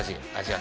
あ